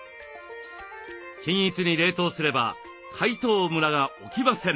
均一に冷凍すれば解凍ムラが起きません。